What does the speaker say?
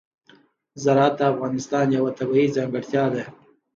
زراعت د افغانستان یوه طبیعي ځانګړتیا ده.